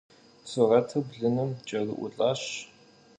Сурэтыр блыным кӏэрыӏулӏащ.